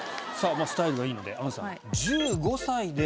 まぁスタイルがいいので杏さん。